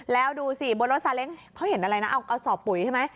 แล้วดูสิบนรถซาเล้งเขาเห็นอะไรนะเอากระสอบปุ๋ยใช่ไหม